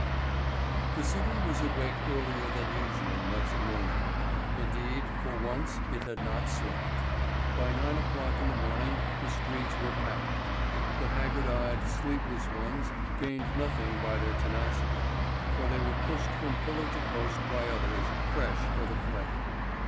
The City was awake earlier than usual next morning; indeed, for once, it had not slept. By nine o'clock in the morning the streets were packed. The haggard eyed, sleepless ones gained nothing by their tenacity, for they were pushed from pillar to post by others, fresh for the fray.